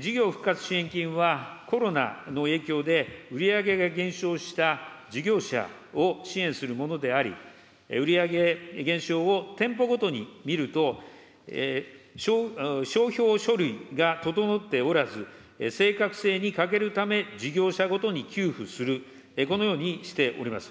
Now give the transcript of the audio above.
事業復活支援金は、コロナの影響で売り上げが減少した事業者を支援するものであり、売り上げ減少を店舗ごとに見ると、しょうひょう書類が整っておらず、正確性に欠けるため、事業者ごとに給付する、このようにしております。